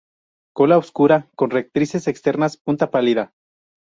Cola oscura con rectrices externas punta pálida.